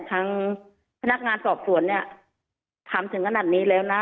ทางพนักงานสอบสวนเนี่ยถามถึงขนาดนี้แล้วนะ